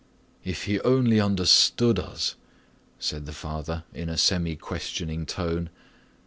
"If only he understood us," said the father in a semi questioning tone.